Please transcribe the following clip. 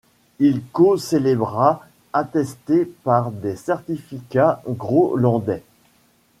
Il co-célébra attestés par des certificats grolandais.